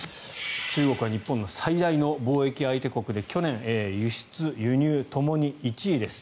中国は日本の最大の貿易相手国で去年、輸出・輸入ともに１位です。